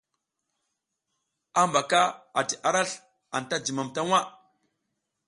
Hambaka ati arasl anta jum ta waʼa.